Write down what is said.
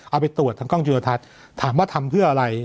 เอาไปตรวจทางกล้องจุลทัศน์ถามว่าทำเพื่ออะไร